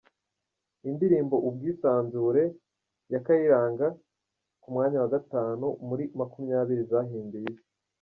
Indirimbo “ubwisanzure” ya Kayiranga ku mwanya wa gatanu muri makumyabiri zahinduye isi